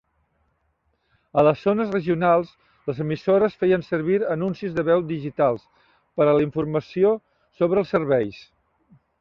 A les zones regionals, les emissores feien servir anuncis de veu digitals per a la informació sobre els serveis.